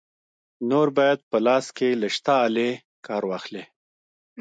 نور باید په لاس کې له شته آلې کار واخلې.